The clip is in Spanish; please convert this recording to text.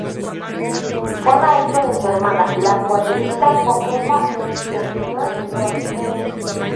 Fue maestro de su hermana, la acuarelista Josefa Teixidor y Torres.